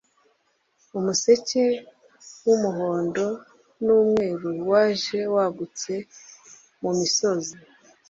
Umuseke wumuhondo numweru waje wagutse mumisozi